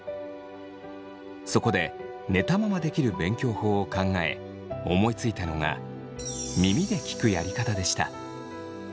そこで寝たままできる勉強法を考え思いついたのが耳で聞くやり方でした。